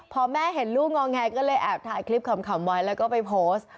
พอแม่เห็นลูกงอแงก็เลยแอบถ่ายคลิปขำไว้แล้วก็ไปโพสต์